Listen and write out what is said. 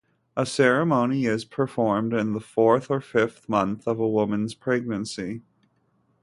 A ceremony is performed in the fourth or fifth month of a woman's pregnancy.